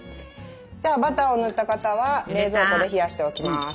じゃあバターを塗った型は冷蔵庫で冷やしておきます。